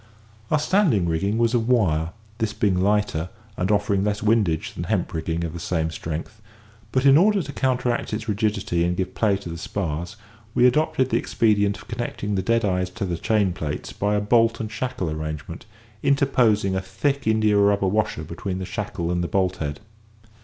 Our standing rigging was of wire, this being lighter, and offering less windage than hemp rigging of the same strength; but, in order to counteract its rigidity and give play to the spars, we adopted the expedient of connecting the deadeyes to the chain plates by a bolt and shackle arrangement, interposing a thick india rubber washer between the shackle and the bolt head.